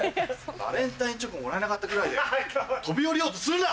バレンタインチョコもらえなかったぐらいで飛び降りようとするな！